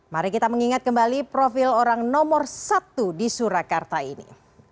mari kita mengingat kembali profil orang nomor satu di surakarta ini